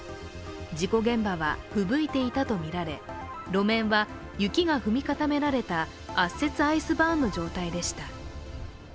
事故現場は、ふぶいていたとみられ路面は雪が踏み固められた圧雪アイスバーンの状態でした。